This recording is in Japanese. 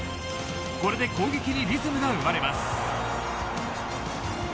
これで攻撃にリズムが生まれます。